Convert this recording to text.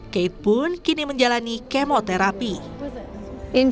kate pun kini menjalani kemoterapi